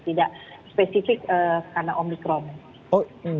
tidak spesifik karena omikron